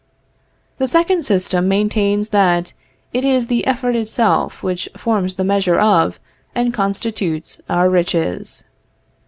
The second system maintains that it is the effort itself which forms the measure of, and constitutes, our riches.